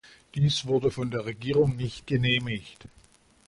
Dies wurde von der Regierung nicht genehmigt.